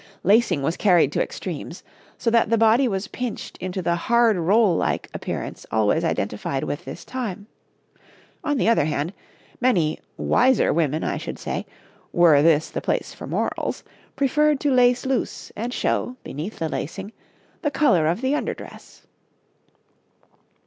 Lacing was carried to extremes, so that the body was pinched into the hard roll like appearance always identified with this time; on the other hand, many, wiser women I should say, were this the place for morals, preferred to lace loose, and show, beneath the lacing, the colour of the under dress.